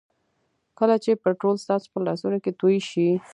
کله چې پټرول ستاسو په لاسونو کې توی شي.